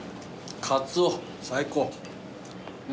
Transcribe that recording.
カツオ最高。